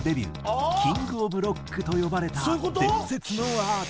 キング・オブ・ロックと呼ばれた伝説のアーティスト。